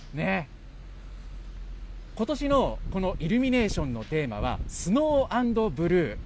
ことしのこのイルミネーションのテーマは、スノー＆ブルー。